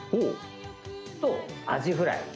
と、アジフライ。